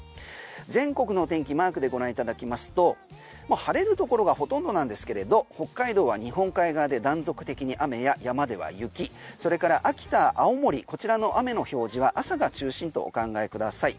全国の天気マークでご覧いただきますと晴れるところがほとんどなんですけれど北海道は日本海側で断続的に雨や山では雪それから秋田、青森こちらの雨の表示は朝が中心とお考えください。